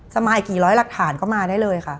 สมายกี่ร้อยหลักฐานก็มาได้เลยค่ะ